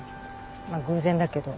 まあ偶然だけど。